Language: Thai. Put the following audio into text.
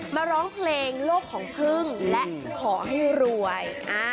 มาร้องเพลงโลกของพึ่งและขอให้รวย